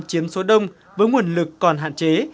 chiếm số đông với nguồn lực còn hạn chế